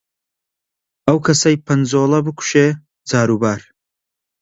ئەو کەسەی پەنجۆڵە بکوشێ جاروبار،